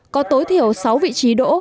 có tối thiểu sáu vị trí đỗ